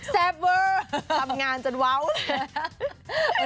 เซมปเวอร์ทำงานจนเว้า